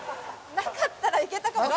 なかったらいけたかも。